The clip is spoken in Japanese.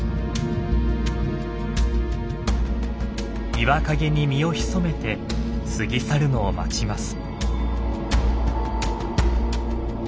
岩陰に身を潜めて過ぎ去るのを待ちます。